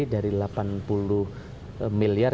dari delapan puluh miliar